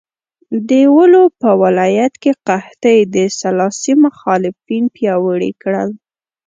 د ولو په ولایت کې قحطۍ د سلاسي مخالفین پیاوړي کړل.